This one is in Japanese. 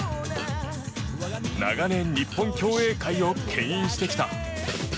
長年、日本競泳界を牽引してきた。